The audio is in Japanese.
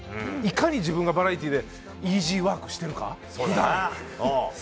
いかに自分がバラエティーでイージーワークをしているか。